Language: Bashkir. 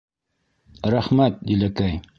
— Рәхмәт, Диләкәй.